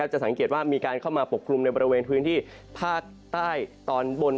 จะสังเกตว่ามีการเข้ามาปกคลุมในบริเวณพื้นที่ภาคใต้ตอนบน